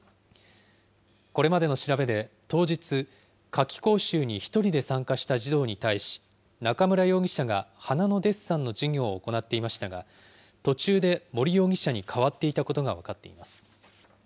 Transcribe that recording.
これまでの調べで、当日、夏期講習に１人で参加した児童に対し、中村容疑者が花のデッサンの授業を行っていましたが、途中で森容疑者に代わっていたことが分かっています。